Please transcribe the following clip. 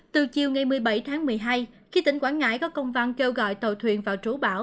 từ chiều ngày một mươi bảy tháng một mươi hai khi tỉnh quảng ngãi có công văn kêu gọi tàu thuyền vào trú bão